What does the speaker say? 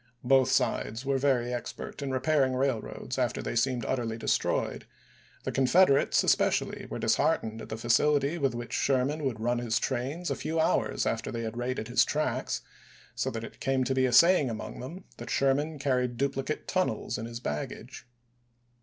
Both sides were very ex pert in repairing railroads after they seemed utterly destroyed; the Confederates, especially, were disheartened at the facility with which Sher man would run his trains a few hours after they had raided his tracks ; so that it came to be a say ing among them that Sherman carried duplicate tunnels in his baggage.